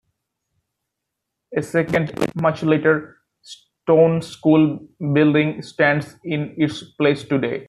A second, much later stone school building stands in its place today.